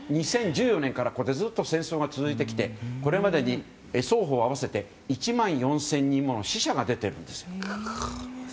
２０１４年からずっと戦争が続いてきてこれまでに双方合わせて１万４０００人もの死者が出てるんですよ。